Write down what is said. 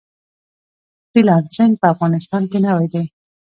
فری لانسینګ په افغانستان کې نوی دی